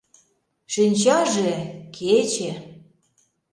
Шинчаже — кече.